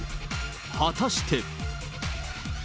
果たして。